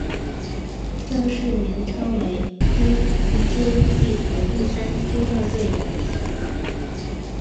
正式名称为妖精帝国第三军乐队。